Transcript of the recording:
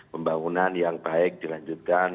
pembangunan yang baik dilanjutkan